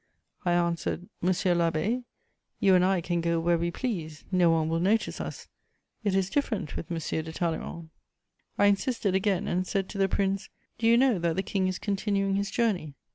I answered: "Monsieur l'abbé, you and I can go where we please, no one will notice us; it is different with M. de Talleyrand." I insisted again and said to the prince: "Do you know that the King is continuing his journey?"